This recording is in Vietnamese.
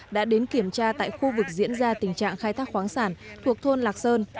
đã đến kiểm tra tại khu vực diễn ra tình trạng khai thác khoáng sản thuộc thôn lạc sơn